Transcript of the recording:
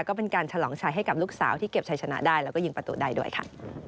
ก็เป็นการฉลองชัยให้กับลูกสาวที่เก็บชัยชนะได้แล้วก็ยิงประตูได้ด้วยค่ะ